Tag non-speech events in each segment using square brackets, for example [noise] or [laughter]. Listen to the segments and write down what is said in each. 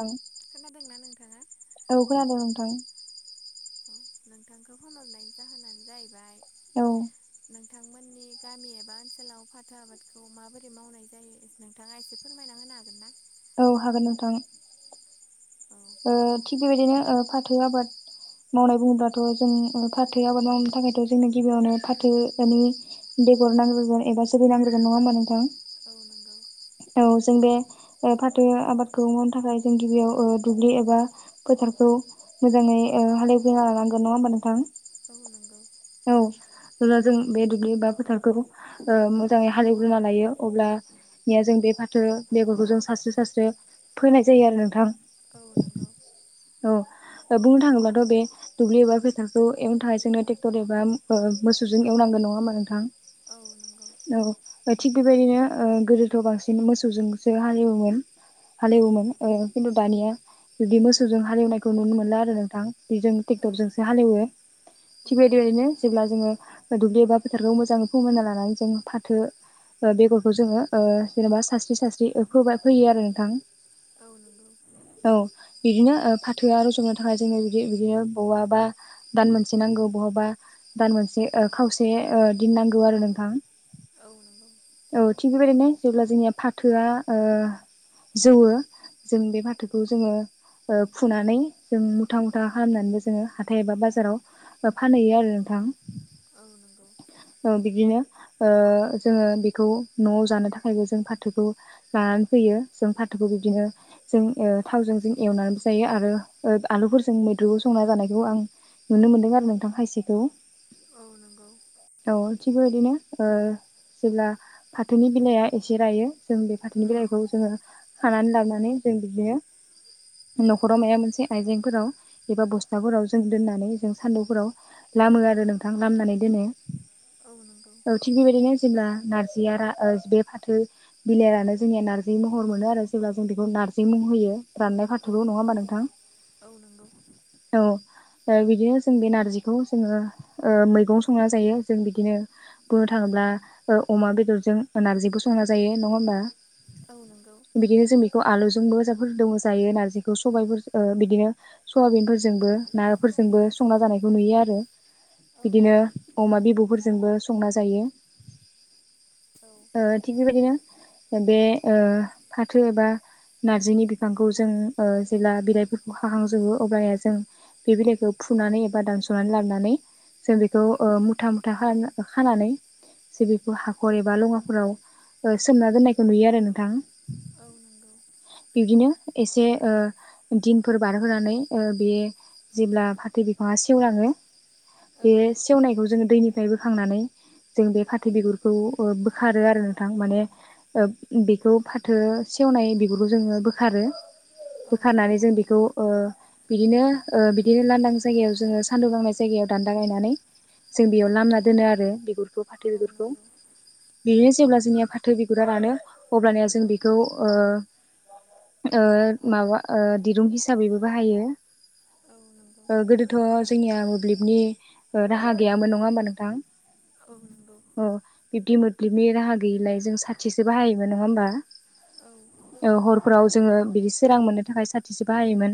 ओं खोनादोंना नोंथाङा औ खोनादों नोंथां औ नोंथांखौ फन हरनायनि जाहोनानो जायैबाय औ नोंथांमोन मोननि गामि एबा ओनसोलाव फाथो आबादखौ माबोरै मावनाय जायो नोंथाङा एसे फोरमायना होनो हागोन ना औ हागोन नोंथां ओ थिग बेबायदिनो ओ फाथो आबाद मावनाय बुङोबाथ' जों फाथो आबाद मावनो थाखायथ' जोंनो गिबियावनो फाथो मानि बेगर नांग्रोगोन बा जोलै नांग्रोगोन नङा होमबा नोंथां औ नंगौ औ जों बे ओ फाथो आबादखौ मावनो थाखाय जों गिबियाव ओ दुब्लि एबा फोथार खौ मोजाङै हालौग्रोना लानांगोन नङा होमबा नोंथां? औ नंगौ। औ जेब्ला जों बे दुब्लि बा फोथारखौ ओ मोजाङै हालेवग्रोना लायो अब्ला या जों बे फाथो बेगरखौ जों सास्र्रि सास्र फैाय जायो आरो नोंथां। औ नंगौ औ बुंनो थाङोब्लाथ' बे दुब्लि एबा फैसाखौ एवनो थाखाय जोंनोे टे क्ट एबा मोसौजों एवनांगौ नङा हामा नोंथां औ नंगौ औ। थिग बेबायदिनो ओ गोदोथ' बांसिन मोसौजोंसो हालेवोमोन। औ हालेवोमोन ओ खिन्थु दानिया बिुदि मोसौजों हालेवनायखौ नुनो मोनला आरो नोंथां। बेजों औ ट्रेक्टरजोंसो हालेवो। औ नंगौ ओरैनो जेब्ला जोङो दुब्लि एबा फोथारखौ मोजाङै फमायना लानानै जों फाथो ओ बेगरखौ जोङो ओ जेनेबा सास्रि सास्रि फोबाय फैयो आरो नोंथां। औ नंगौ औ नंगौ औ बिदिनो ओ फाथोआ रज'नो थाखाय जोङो बिदि बिदिनो बवा बा दान मोनसे नांगौ बहाबा दान मोनसे ओ खावसे दिन नांगौ आरो नोंथां। औ नंगौ औ थिग बेबायदिनो जेब्ला जोंनिया फाथोआ ओ जौवो जों बे फाथोखौ जोङो ओ फुनानै जों मुथा मुथा खालामनानैबो जोङो हाथाय एबा बाजाराव फानहैयो आरो नोंथां। औ नंगौ ओ बिदिनो ओ जोङो बेखौ न'आव जानो थाखायबो जों फाथोखौ लानानै फैयो। जों फाथोखौ बिदिनो जों ओ थावजों जों एवनानैबो जायो आरो ओ आलुफोरजों मैद्रुबो सं ना जानायखौ आं नुनो मोन्दों आरो नोंथां खायसेखौ। औ नंगौ औ थिग बेबायदिनो ओ जेब्ला फाथोनि बिलाइया एसे रायो जों बे फाथोनि उम बिलाइखौ जोङो खानानै लाबानानै जों बिदिनो न'खराव माबा मोनसे आइजेंफोराव एबा बस्थाफोराव जों दोननानै जों सान्दुंफोराव लामो आरो नोंथां लामनानै दोनो। औ नंगौ औ थिग बेबायदिनो जेनब्ला नारजिया रा ओ बे फाथो बिलाइानो जोंनिया नार्जि महर मोनो आरो जेब्ला जों बेखौ नारजि मुं होयो। राननाय औ फारथोलबो नङा नंगौ होमबा नोंथां? औ नंगौ औ ओ बिदिनो जों बे नारजिखौ जोङो ओ मैगं संना जायो जों बिदिनो बुंनो थाङोब्ला ओ अमा बेदरजों नारजिबो संना जायो नङा होमबा? औ नोंगौ बिदिनो जों बेखौ आलुजोंबो जफोर दङ जायो नारजिखौ सबायाइफोर ओ बिदिनो सयाबिनफोरजोंबो नाफोरजोंबो संना जानायखौ नुयो आरो। औ बिदिनो नंगौ अमा बिबौ'फोर जो जोंबो संना जायो। औ ओ थिग बेबायदिनो बे ओ फाथो एबा नार्जिनि बिफांखौ जों ओ जेब्ला बिलाइफोरखौ हाहांजोबो अबाया जों बे बिलाइखौ फुनानै एबा दानस'नानै लाबानै जों बेखौ ओ औ मुथा मुथा खानानै जे बेखौ हाखर एबा लङाफोराव सोमना दोननायखौ नुयो आरो नोंथां। औ नंगौ बिदिनो एसे ओ दिनफोर बारहोनानै ओ बे जेब्ला माबा सेवलाङो औ बे सेवनायखौ जोङो दैनिफ्राय बोखांनानै जों बे फाथो बिगुरखौ ओ बोखारो आरो नोंथां माने बेखौ फाथो सेवनाय बेफोरखौ जोङो बोखारो। औ नंगौ बोखारानानै जों बेखौ ओ बिदिनो ओ बिदिनो लानदां जायगायाव जोङो सान्दुं गांनाय जायगायाव दान्दा गायनानै जों बेयाव लामना औ दोनो आरो बिगुरखौ फाथो औ बिगुरखौ। नंगौ बिदिनो जेब्ला जोंनिया फाथो बिगुरा रानो अब्लनिया जों बेखौ ओ ओ माबा ओ दिरुं हिसाबैबो बाहायो। औ नंगौ ओ गोदोथ' जोंनिया मोब्लिबनि राहा गैयामोन नङा होमबा नोंथां? औ नंगौ औ बिब्दि मोब्लिबनि राहा गैयिलाय जों साथिसो बाहायोमोन नङा होमबा? औ ओ हरफोराव जोङो बिदि सोरां मोननो थाखाय साथिस बाहायोमोन।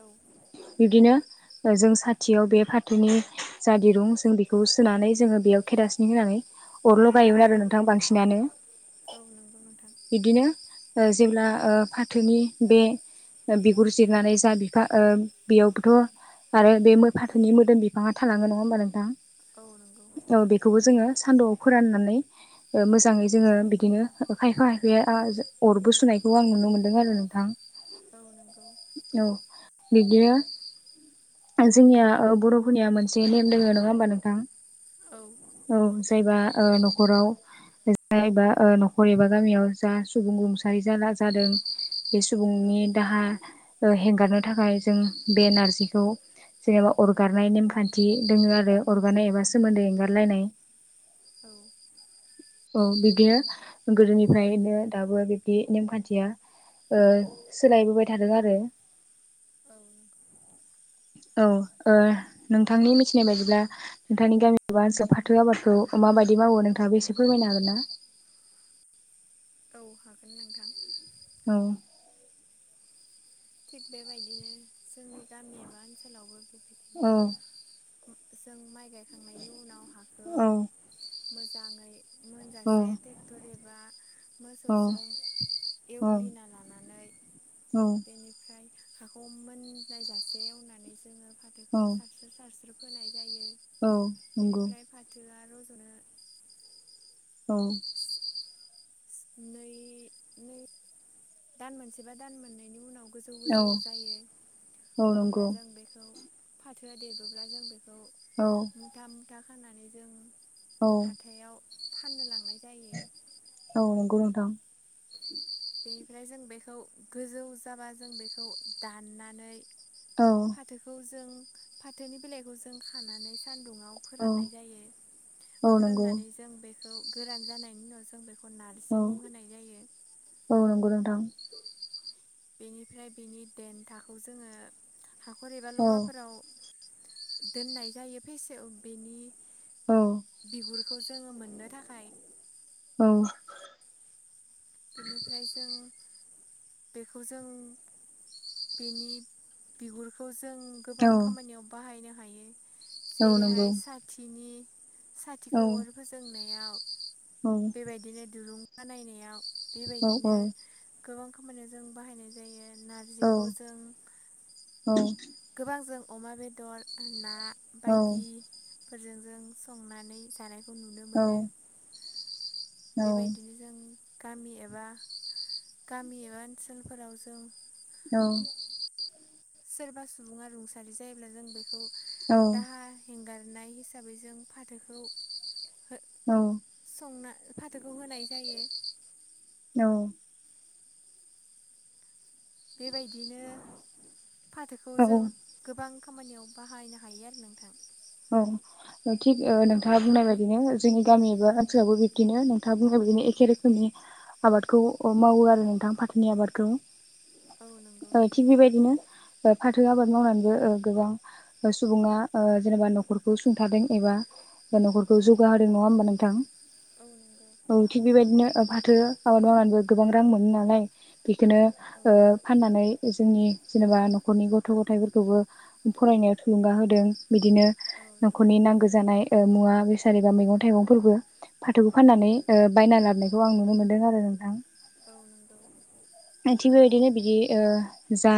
औ बिदिनो जों साथियाव बे फाथोनि जा दिरुं जों बेखौ सोनानै जोङो बेयाव केरासिन होनानै औ अरलगायोमोन आरो नोंथां बांसिनानो औ नंगौ नोंथां बिदिनो जेब्ला ओ फाथोनि बे बिगुर जिरनानै जा बिफां ओ बेयावबोथ' आरो बे फाथोनि मोदोम बिफाङा थालाङो नङा होमबा नोंथां? औ नंगौ औ बेखौबो जोङो सान्दुआव फोराननानै ओ मोजाङै जोङो बिदिनो खायफा खायफाया अरबो सुनायखौ आं नुनो मोनदों आरो नोंथां। औ नंगौ औ बिदिनो जोंनिया ओ बर'फोरनिया मोनसे नेम दोङो नङा होमबा नोंथां? औ औ जायबा ओ न'खराव जायबा ओ न'खर एबा गामियाव जा सुबुं रुंसारि जाला जादों बे औ सुबुंनि नंगौ दाहा हगारनो थाखाय जों बे नारजिखौ जेनेबा अरगारनाय नेमखान्थि दोङो आरो अरगारनाय एबा सोमोन्दै एंगारलायनाय [inaudible] औ औ बिब्दिनो गोदोनिफ्रायनो दाबो बिबदि नेमखान्थिया ओ सोलायबोबाय थादों आरो। [inaudible] औ ओ नोंथांनि मिथिनाय बायदिब्ला नोंथांनि गामि एबा ओनसोलाव फाथो आबादखौ माबा दि मावो नोंथाङा‌ एसे फोरमायनो हागोन ना? औ हागोन नोंथां औ थिग बेबायदिनो जोंनि गामि एबा ओनसोलावबो बे औ जों माइ गायखांनायनि उनाव हाखौ औ मोजाङै मोनजासे ट्रेक्टर एबा मोसौजों एवग्लिना लानानै बेनिफ्राय हाखौ मोननायजासे एवनानै जोङो फाथोखौ सारस्रो सारस्रो फोनाय जायो औ औ नंगौ बेनिफ्राय फाथोआ रज'नो औ नै नै दान मोनसेबा दान मोननैनि उनाव गोजौ औ गोजौ जायो औ अब्ला नंगौ जों बेखौ फाथोआ देरबोब्ला जों बे खौ औ मुथा मुथा खानानै जों औ हाथायाव फाननो लांनाय जायो औ नोंगौ‌ नोथां बेनिफ्राय जों बेखौ गोजौ जाबा जों बेखौ दाननानै औ फाथोखौ जों फाथौनि बिलाइखौ खानानै सान्दुुंआव औ फोराननाय जायो औ नंगौ फोराननानै जों बेखौ गोरान जानायनि उनाव जों बेख खौ नारजि औ मुं होनाय जायो। औ नंगौ नोंथां बेनिफ्राय बेनि देन्थाखौ जोङो हाखर एबा औ लङाफोराव दोननाय जायो फेसे बेनि बिगुर खौ जोङो मोननो थाखाय औ बेनिफ्राय जों बेखौ जों बेनि बिगुरखौ जों औ गोबां खामानियाव बाहायनो हायो नंगौ जेरैहाय साथिनि औ साथिखौ अर फोजोंनायाव औ बेबायदिनो दुरुं बा नायनायाव औ औ बेबायदिनो गोबां खामानियाव जों बाहायनाय जायो नारजिखौ जों गोबां जों अमा बेदर ना औ बायदि फोरजों जों संनानै जानायखौ नुनो मोनो बेबायदिनो जों गामि एबा गामि एबा ओनसोलफोराव जों औ सोरबा सुबुङा रुंसारि जायोब्ला जों बेखौ दाहा हेंगार नाय हिसाबै जों फाथैखौ औ [unintelligible] जायो औ बेबायदिनो फाथोखौ औ जों गोबां खामानियाव बाहायनो हायो आरो नोंथां औ थिग नोंथाङा बुंनाय बाददिनो जोंनि गामि एबा ओनसोलावबो बिबदिनो नोंथाङा बुंनाय बायदिनो ए एखे रोखोमनि आबादखौ मावो आरो नोंथां फाथोनि आबादखौ औ नंगौ औ थिग नोंथां बेबायदिनो फाथो आबाद मावनानैबो ओ गोबां सुबुङा जेनेबा न'खरखौ सुंथादों एबा न'खरखौ जौगाहोदों नङा होमबा नोंथां औ नंगौ औ थिग बेबायदिनो फाथो आबाद मावनानैबो गोबां रां मोनो नालाय बेखौनो औ ओ फाननानै जोंनि जेनेबा न'खरनि गथ' गथाइफोरखौबो फरायनायाव थुलुंगा होदों बिदिनो औ न'खरनि नंगौ नांगौ जानाय ओ मुवा बेसाद एबा मैगं थाइगंफोरबो फाथोखौ फाननानै ओ बायना लाबोनायखौ आं नुनो मोनदों आरो नोंथां औ नोंगौ आइथिग बेबायदिनो बिदि जा